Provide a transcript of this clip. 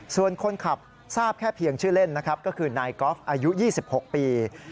ส่วนคนขับทราบแค่เพียงชื่อเล่นนะครับก็คือนายกอล์ฟอายุ๒๖ปี